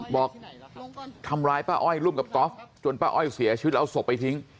บอกทำร้ายป้าอ้อยร่วมกับก๊อฟจนป้าอ้อยเสียชีวิตแล้วเอาศพไปทิ้ง